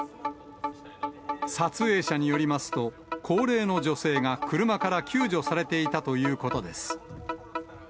撮影者によりますと、高齢の女性が車から救助されていたということです。